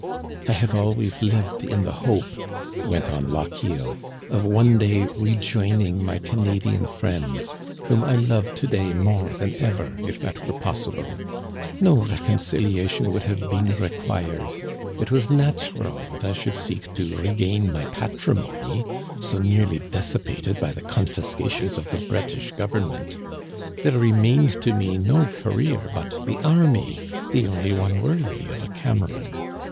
" I have always lived in the hope," went on Lochiel, " of one day rejoining my Canadian friends, whom I love to day more than ever, if that were possible. No recon ciliation would have been required. It was natural I should seek to regain my patrimony, so nearly dissipated by the confiscations of the British Government There remained to me no career but the army, the only one worthy of a Cameron.